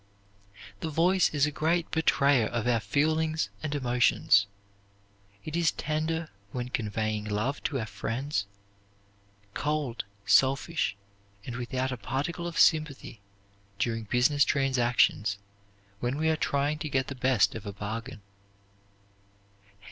The voice is a great betrayer of our feelings and emotions. It is tender when conveying love to our friends; cold, selfish, and without a particle of sympathy during business transactions when we are trying to get the best of a bargain.